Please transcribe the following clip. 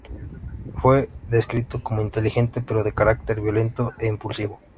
Fue descrito como inteligente, pero de carácter violento e impulsivo.